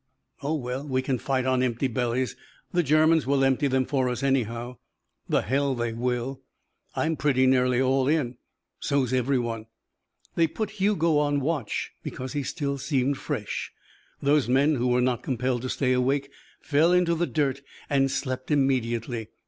"Oh, well, we can fight on empty bellies. The Germans will empty them for us anyhow." "The hell they will." "I'm pretty nearly all in." "So's everyone." They put Hugo on watch because he still seemed fresh. Those men who were not compelled to stay awake fell into the dirt and slept immediately.